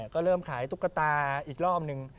ก็เริ่มขายตุ๊กตาอีกรอบหนึ่ง